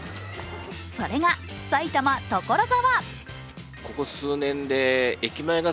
それが埼玉・所沢。